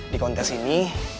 di kontes ini